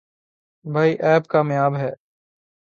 بھائی ایپ کامیاب ہے۔